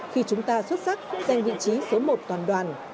khi chúng ta xuất sắc giành vị trí số một toàn đoàn